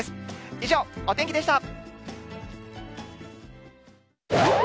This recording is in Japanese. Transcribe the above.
以上、お天気でした。